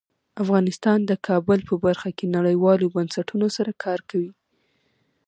افغانستان د کابل په برخه کې نړیوالو بنسټونو سره کار کوي.